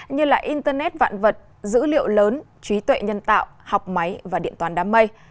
như là internet vạn vật dữ liệu lớn trí tuệ nhân tạo học máy và điện toán đám mây